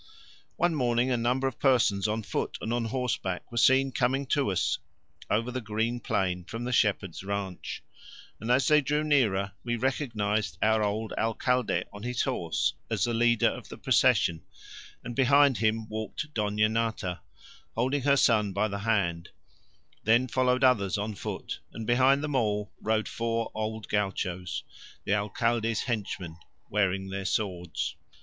One morning a number of persons on foot and on horseback were seen coming to us over the green plain from the shepherd's ranche, and as they drew nearer we recognized our old Alcalde on his horse as the leader of the procession, and behind him walked Dona Nata, holding her son by the hand; then followed others on foot, and behind them all rode four old gauchos, the Alcalde's henchmen, wearing their swords.